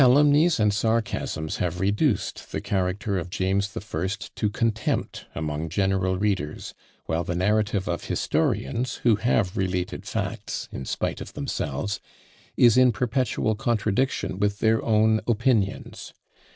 Calumnies and sarcasms have reduced the character of James the First to contempt among general readers; while the narrative of historians, who have related facts in spite of themselves, is in perpetual contradiction with their own opinions.